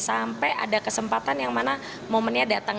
sampai ada kesempatan yang mana momennya datang